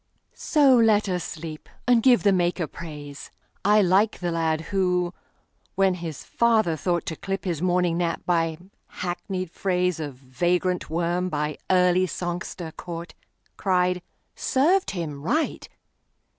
So let us sleep, and give the Maker praise.I like the lad who, when his father thoughtTo clip his morning nap by hackneyed phraseOf vagrant worm by early songster caught, Cried, "Served him right!